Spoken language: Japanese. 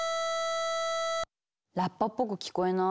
ラッパっぽく聞こえない。